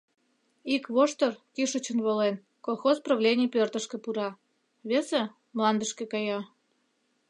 Ик воштыр, кӱшычын волен, колхоз правлений пӧртышкӧ пура, весе — мландышке кая.